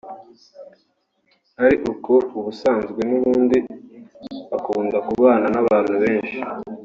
ari uko ubusanzwe n’ubundi akunda kubana n’abantu benshi